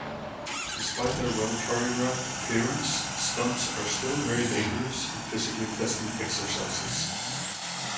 Despite their well-choreographed appearance, stunts are still very dangerous and physically testing exercises.